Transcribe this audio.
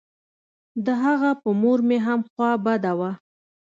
د هغه په مور مې هم خوا بده وه.